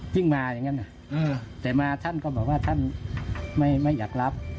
ยิ่งมาอย่างนั้นแต่มาท่านก็บอกว่าท่านไม่อยากรับ